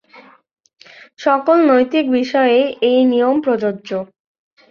সকল নৈতিক বিষয়েই এই নিয়ম প্রযোজ্য।